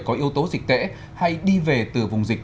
có yếu tố dịch tễ hay đi về từ vùng dịch